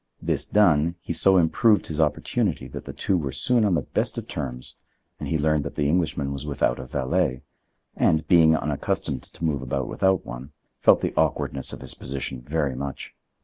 This done, he so improved his opportunity that the two were soon on the best of terms, and he learned that the Englishman was without a valet, and, being unaccustomed to move about without one, felt the awkwardness of his position very much.